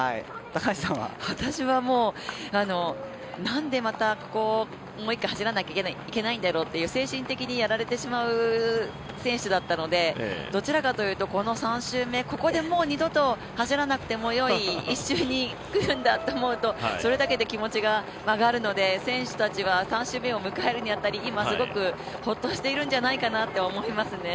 私はもう、なんでまたここをもう一回走らなきゃいけないんだろうって精神的にやられてしまう選手だったのでどちらかというとこの３周目、これでもう二度と走らなくてもよい１周にくるんだと思うとそれだけで気持ちが上がるので選手たちは３周目を迎えるにあたり今すごくほっとしてるんじゃないかなって思いますね。